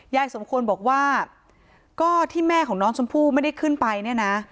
สมควรบอกว่าก็ที่แม่ของน้องชมพู่ไม่ได้ขึ้นไปเนี่ยนะ